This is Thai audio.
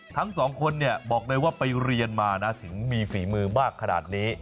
ทั้งสองคนเนี่ยบอกเลยว่าไปเรียนมานะถึงมีฝีมือมากขนาดนี้